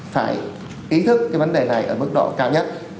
phải ý thức cái vấn đề này ở mức độ cao nhất